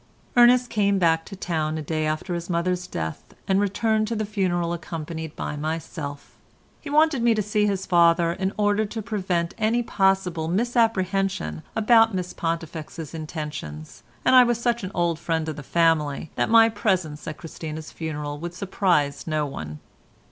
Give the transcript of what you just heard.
Ernest came back to town the day after his mother's death, and returned to the funeral accompanied by myself. He wanted me to see his father in order to prevent any possible misapprehension about Miss Pontifex's intentions, and I was such an old friend of the family that my presence at Christina's funeral would surprise no one.